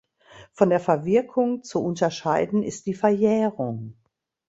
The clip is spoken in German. Von der Verwirkung zu unterscheiden ist die Verjährung.